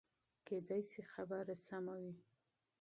کېدای شي خبره سمه وي.